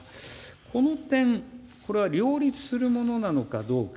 この点、これは両立するものなのかどうか。